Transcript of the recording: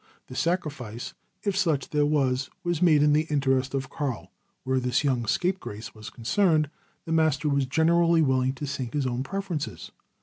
The sacrifice, if such there was, was made in the interest of Karl; where this young scapegrace was concerned, the master was generally willing to sink his own preferences.